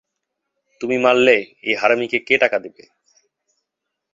তুমি মারলে, এই হারামীকে কে টাকা দেবে?